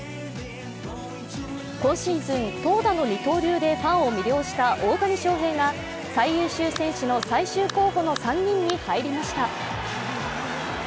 今シーズン、投打の二刀流でファンを魅了した大谷翔平が最優秀選手の最終候補の３人に入りました。